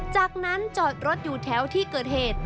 จากนั้นจอดรถอยู่แถวที่เกิดเหตุ